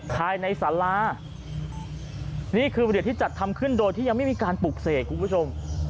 ภายในสารานี่คือเหรียญที่จัดทำขึ้นโดยที่ยังไม่มีการปลูกเสกคุณผู้ชม